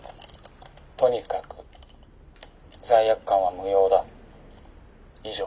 とにかく罪悪感は無用だ。以上」。